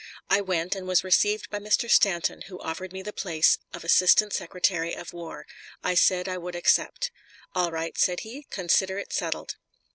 I went, and was received by Mr. Stanton, who offered me the place of Assistant Secretary of War. I said I would accept. "All right," said he; "consider it settled."